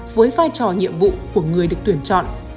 với vai trò nhiệm vụ của người được tuyển chọn